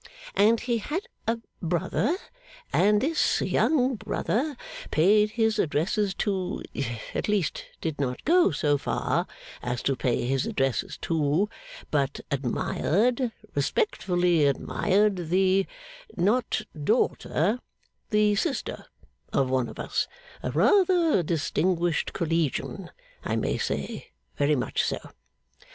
and he had a brother, and this young brother paid his addresses to at least, did not go so far as to pay his addresses to but admired respectfully admired the not daughter, the sister of one of us; a rather distinguished Collegian; I may say, very much so.